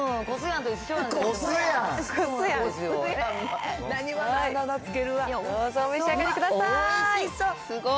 どうぞ、お召し上がりくださーい。